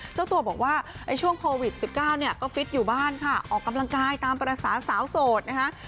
เจ้าตัวบอกว่าช่วงโควิด๑๙เนี่ยก็ฟิตอยู่บ้านค่ะออกกำลังกายตามภาษาสาวโสดนะคะ